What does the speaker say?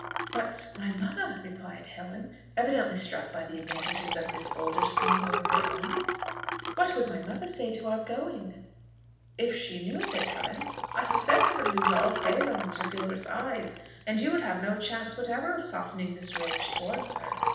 "But my mother?..." replied Helen, evidently struck by the advantages of this bolder scheme over her own, "what would my mother say to our going?" "If she knew of it, Helen, I suspect it would lose all favour in Sir Gilbert's eyes, and you would have no chance whatever of softening his rage towards her.